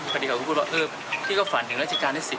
พูดว่าพี่ก็ฝันถึงราชิการสิบ